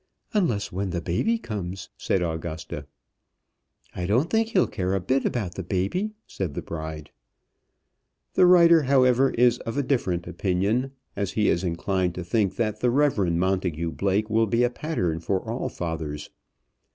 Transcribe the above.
"Unless when the baby comes," said Augusta. "I don't think he'll care a bit about the baby," said the bride. The writer, however, is of a different opinion, as he is inclined to think that the Reverend Montagu Blake will be a pattern for all fathers.